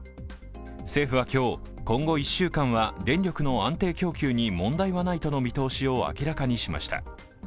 政府は今日、今後１週間は電力の安定供給に問題はないとの見通しを明らかにしました。